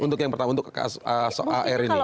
untuk yang pertama untuk ar ini